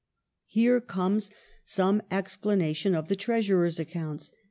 ... Here comes some explanation of the treasurer's accounts.